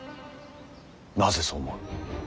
なぜそう思う。